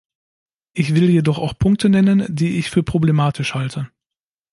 Ich will jedoch auch Punkte nennen, die ich für problematisch halte.